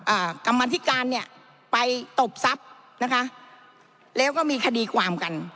กรรมธิการเนี้ยไปตบทรัพย์นะคะแล้วก็มีคดีความกัน